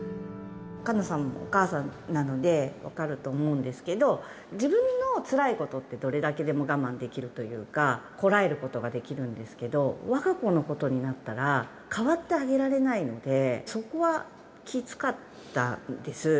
菅野さんもお母さんなので分かると思うんですけど、自分のつらいことってどれだけでも我慢できるというか、こらえることができるんですけど、わが子のことになったら、代わってあげられないので、そこはきつかったんです。